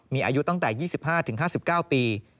มีอายุตั้งแต่๒๕๕๙ปี